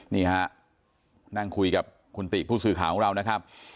นี่ฮะนั่งคุยกับคุณติผู้สื่อข่าวของเรานะครับ